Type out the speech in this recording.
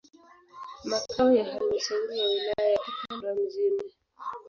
Makao ya halmashauri ya wilaya yapo Kondoa mjini.